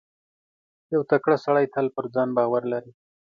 • یو تکړه سړی تل پر ځان باور لري.